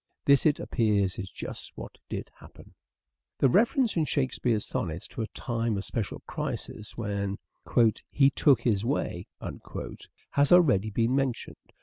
This, it appears, is just what did happen. The reference in Shakespeare's sonnets to a time of special crisis when "he took his way" has already been mentioned.